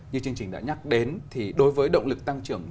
như chương trình đã nhắc đến thì đối với động lực tăng trưởng